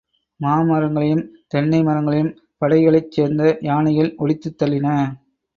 மா மரங்களையும் தென்னை மரங்களையும் படைகளைச் சேர்ந்த யானைகள் ஒடித்துத் தள்ளின.